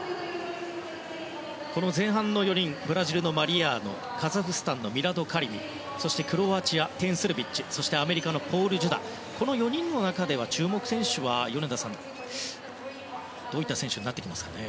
前半の４人ブラジルのマリアーノカザフスタンのミラド・カリミそしてクロアチアのテン・スルビッチアメリカのポール・ジュダこの４人の中では注目選手はどういった選手になってきますかね。